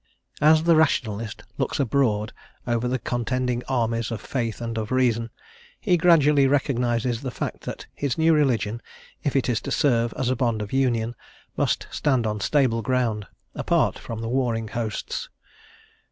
As the Rationalist looks abroad over the contending armies of faith and of reason, he gradually recognises the fact that his new religion, if it is to serve as a bond of union, must stand on stable ground, apart from the warring hosts.